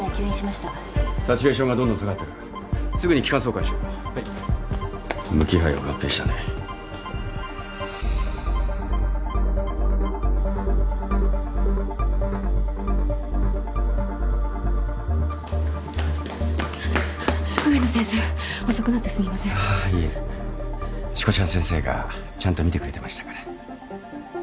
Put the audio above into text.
しこちゃん先生がちゃんとみてくれてましたから。